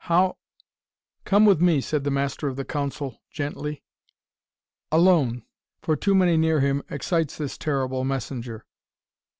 "How " "Come with me," said the Master of the Council gently. "Alone for too many near him excites this terrible messenger.